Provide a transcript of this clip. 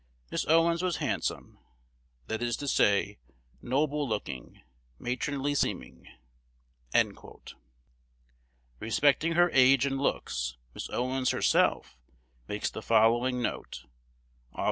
Miss Owens was handsome, that is to say, noble looking, matronly seeming." Respecting her age and looks, Miss. Owens herself makes the following note, Aug.